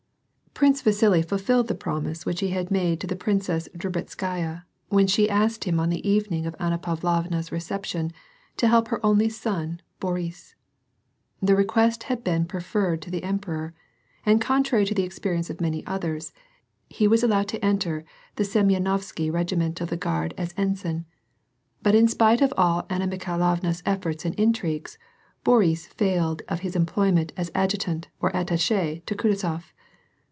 Prince Vasili fulfilled the promise which he had made to the Princess Drubetekaya, when she asked him on the even ing of Anna Pavlovna's reception, to help her only son, Boris. The request had been preferred to the Emperor, and contrary to the experience of many others, he was allowed to enter the Semyenovsky regiment of the Guard as ensign. But in spite of all Anna Mikhailovna's efforts and intrigues, Boris failed of his employment as adjutant or attache to Kutuzof.